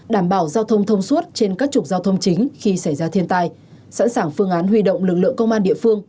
đảm bảo giao thông thông suốt trên các trục giao thông chính khi xảy ra thiên tai sẵn sàng phương án huy động lực lượng công an địa phương